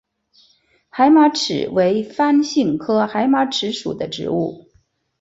海马齿为番杏科海马齿属的植物。